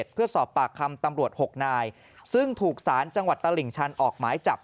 เพื่อสอบปากคำตำรวจ๖นายซึ่งถูกสารจังหวัดตลิ่งชันออกหมายจับ